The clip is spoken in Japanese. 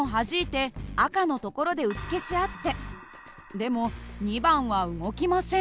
でも２番は動きません。